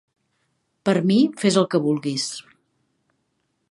Per mi, fes el que vulguis.